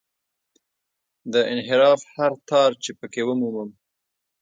د انحراف هر تار چې په کې ومومم.